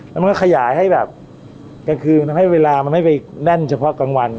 แล้วมันก็ขยายให้แบบกลางคืนทำให้เวลามันไม่ไปแน่นเฉพาะกลางวัน